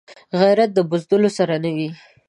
غیرت د بزدلو سره نه وي